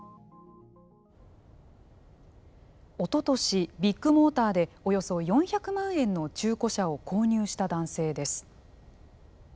おととし、ビッグモーターでおよそ４００万円の中古車を購入した男性です。